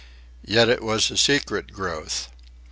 Yet it was a secret growth.